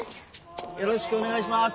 よろしくお願いします。